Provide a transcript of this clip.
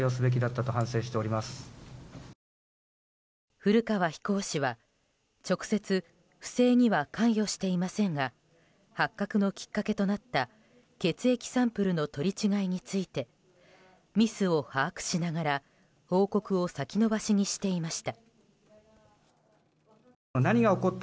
古川飛行士は直接、不正には関与していませんが発覚のきっかけとなった血液サンプルの取り違いについてミスを把握しながら報告を先延ばしにしていました。